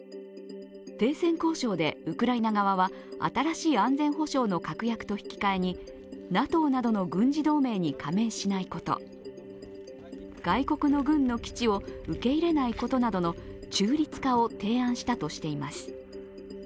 停戦交渉でウクライナ側は新しい安全保障の確約と引き換えにＮＡＴＯなどの軍事同盟に加盟しないこと、外国の軍の基地を受け入れないことなどの中立化を提案したとしています。